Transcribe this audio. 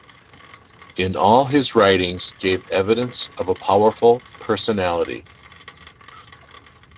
In all his writings gave evidence of a powerful personality.